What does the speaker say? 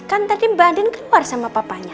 kan tadi mbak adin keluar sama papanya